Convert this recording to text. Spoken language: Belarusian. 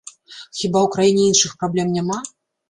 Хіба ў краіне іншых праблем няма?